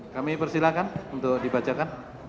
kami persilakan untuk dibacakan